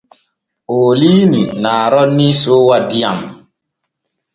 Ooliini na roonii soowa diyam.